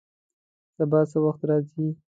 سبا څه وخت راځئ؟